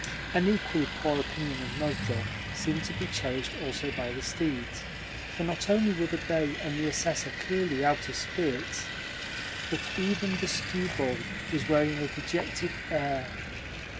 An equally poor opinion of Nozdrev seemed to be cherished also by the steeds, for not only were the bay and the Assessor clearly out of spirits, but even the skewbald was wearing a dejected air.